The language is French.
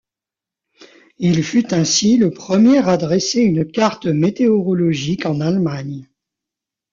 Il fut ainsi le premier à dresser une carte météorologique en Allemagne.